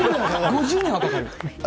５０年はかかる。